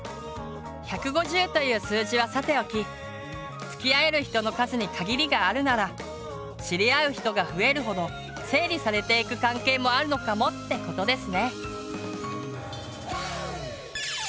１５０という数字はさておきつきあえる人の数に限りがあるなら知り合う人が増えるほど整理されていく関係もあるのかもってことですね。